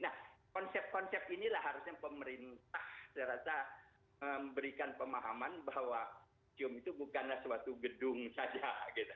nah konsep konsep inilah harusnya pemerintah saya rasa memberikan pemahaman bahwa museum itu bukanlah suatu gedung saja